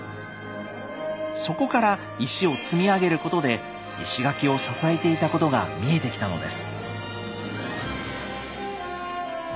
そこから石を積み上げることで石垣を支えていたことが見えてきたのです。